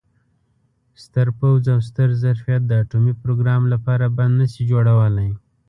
ستر پوځ او ستر ظرفیت د اټومي پروګرام لپاره بند نه شي جوړولای.